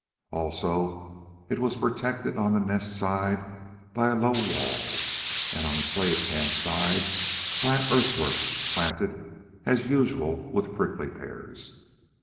Also it was protected on the Nest side by a low wall, and on the slave camp side by an earthwork, planted as usual with prickly pears.